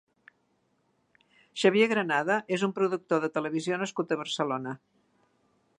Xavier Granada és un productor de televisió nascut a Barcelona.